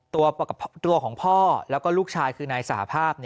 ตัวของพ่อแล้วก็ลูกชายคือนายสาภาพ